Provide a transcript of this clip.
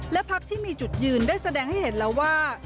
และพักที่มีจุดยืนได้แสดงให้เห็นแล้วว่า